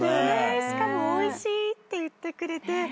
しかもおいしいって言ってくれて。